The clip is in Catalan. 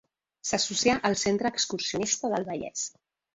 S'associà al Centre Excursionista del Vallès.